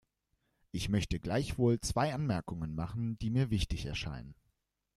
Ich möchte gleichwohl zwei Anmerkungen machen, die mir wichtig erscheinen.